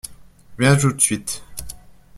Viens tout de suite.